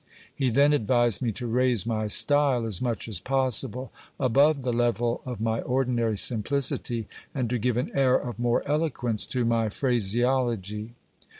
He then advised me to raise my style as much as possible above the level of my ordinary simplicity, and to give an air of more eloquence to my phraseology.